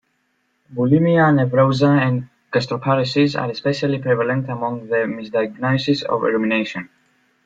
Bulimia nervosa and gastroparesis are especially prevalent among the misdiagnoses of rumination.